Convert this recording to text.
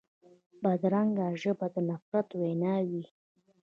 بدرنګه ژبه د نفرت وینا وي